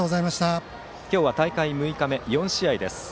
今日は大会６日目、４試合です。